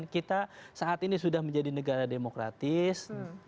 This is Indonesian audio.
kita saat ini sudah menjadi negara demokratis